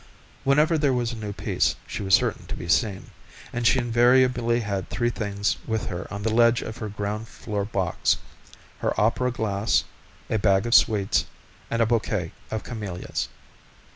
Whenever there was a new piece she was certain to be seen, and she invariably had three things with her on the ledge of her ground floor box: her opera glass, a bag of sweets, and a bouquet of camellias.